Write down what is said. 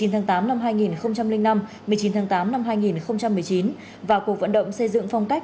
một mươi tháng tám năm hai nghìn năm một mươi chín tháng tám năm hai nghìn một mươi chín và cuộc vận động xây dựng phong cách